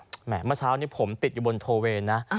โอ้โหแหมมาเช้านี้ผมติดอยู่บนโทเวนะ